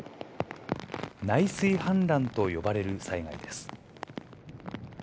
内水氾濫と呼ばれる災害です。